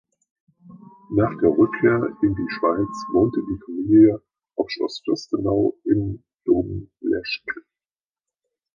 Nach der Rückkehr in die Schweiz wohnte die Familie auf Schloss Fürstenau im Domleschg.